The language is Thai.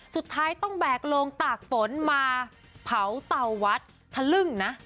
สุดท้ายต้องแบกโลงตากฝนมาเผาเตาวัดทะลึ่งนะ